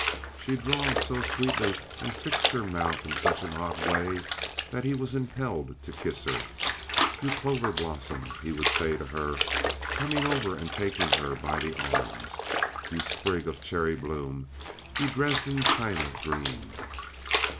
She drawled so sweetly and fixed her mouth in such an odd way that he was impelled to kiss her. "You clover blossom," he would say to her, coming over and taking her by the arms. "You sprig of cherry bloom. You Dresden china dream."